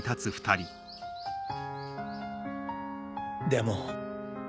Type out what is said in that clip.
でも。